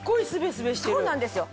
そうなんですよ。